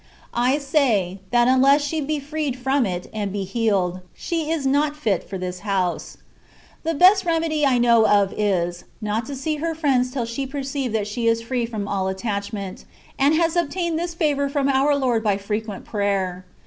I say, that unless she be freed from it and be healed, she is not fit for this house. The best remedy I know of is, not to see her friends till she perceive that she is free from all attachment, and has obtained this favour from our Lord by frequent prayer.